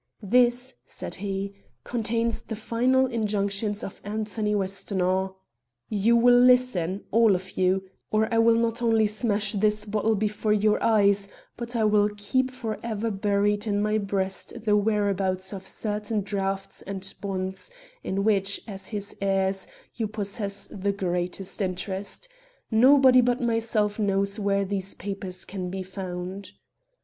"This," said he, "contains the final injunctions of Anthony Westonhaugh. You will listen, all of you; listen till I am done; or I will not only smash this bottle before your eyes, but I will keep for ever buried in my breast the whereabouts of certain drafts and bonds in which, as his heirs, you possess the greatest interest. Nobody but myself knows where these papers can be found."